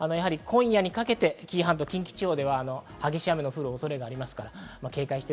今夜にかけて紀伊半島、近畿地方では激しい雨の降る恐れがあります。